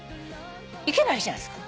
「行けばいいじゃないですか」